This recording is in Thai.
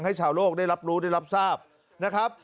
ชาวโลกได้รับรู้ได้รับทราบนะครับ